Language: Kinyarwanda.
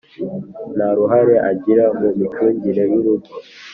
nta ruhare agira mu micungire yu rugo.